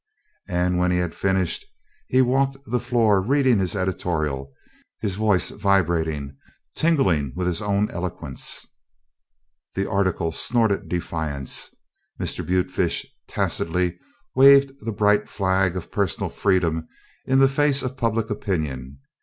And when he had finished, he walked the floor reading the editorial, his voice vibrating, tingling with his own eloquence. The article snorted defiance. Mr. Butefish tacitly waved the bright flag of personal freedom in the face of Public Opinion.